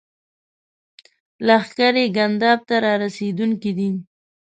لښکرې ګنداب ته را رسېدونکي دي.